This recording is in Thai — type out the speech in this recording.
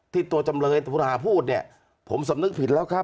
ที่ตัวจำเลยภูราพูดเนี้ยผมสำนึกผิดแล้วครับ